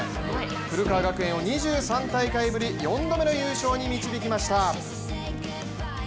古川学園を２３大会ぶり４度目の優勝に導きました。